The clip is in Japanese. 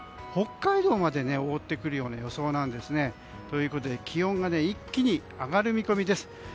北海道まで覆ってくる予想なんですね。ということで気温が一気に上がる見込みです。